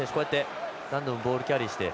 何度もボールをキャリーして。